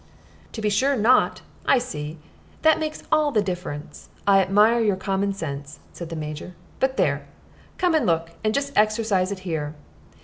"To be sure not! I see. That makes all the difference. I admire your common sense," said the Major "but there! Come and look, and just exercise it here.